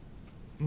うん！